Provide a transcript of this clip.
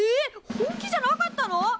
本気じゃなかったの！？